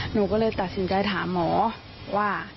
หนูก็เลยตัดสินใจถามหมอว่า